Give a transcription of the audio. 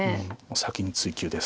先に追及です。